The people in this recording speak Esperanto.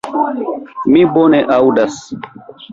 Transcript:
Mi bone aŭdas.